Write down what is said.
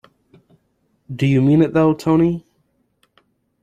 Do you mean it though, Tony?